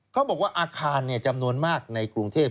เขาบอกว่าอาคารจำนวนมากในกรุงเทพ